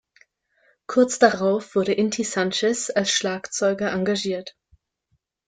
Kurz darauf wurde Inti Sanchez als Schlagzeuger engagiert.